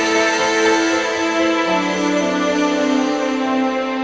tante mayang aku minta maaf